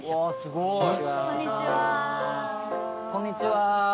こんにちは。